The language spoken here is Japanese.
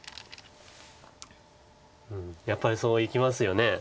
うんやっぱりそういきますよね。